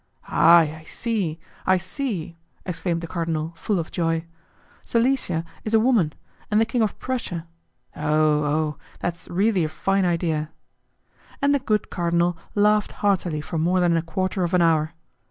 "Ah, I see, I see!" exclaimed the cardinal, full of joy; "Silesia is a woman.... and the King of Prussia.... Oh! oh! that is really a fine idea!" And the good cardinal laughed heartily for more than a quarter of an hour.